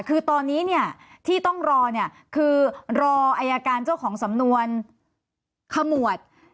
คือตอนนี้เนี่ยที่ต้องรอเนี่ยคือรออายการเจ้าของสำนวนขมวด